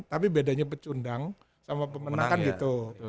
tapi bedanya pecundang sama pemenang kan gitu